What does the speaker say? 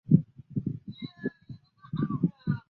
罗马的宗主教和后来的教宗逐渐得到强大的政治权力。